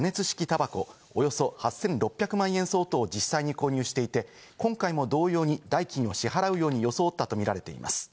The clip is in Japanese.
たばこ、およそ８６００万円相当を実際に購入していて、今回も同様に代金を支払うように装ったとみられています。